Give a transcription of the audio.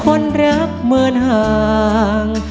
ร้องได้คนรักเหมือนห่าง